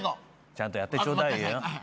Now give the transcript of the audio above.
ちゃんとやってちょうだいよ。